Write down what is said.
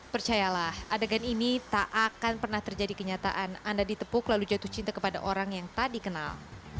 percayalah adegan ini tak akan pernah terjadi kenyataan anda ditepuk lalu jatuh cinta kepada orang yang tak dikenal